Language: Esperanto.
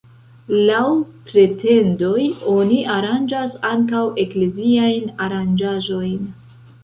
Laŭ pretendoj oni aranĝas ankaŭ ekleziajn aranĝaĵojn.